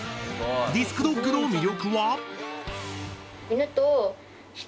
ディスクドッグの魅力は？